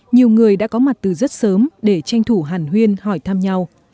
nhiều người đã có mặt từ rất sớm để tranh thủ hàn huyên hỏi thăm nhau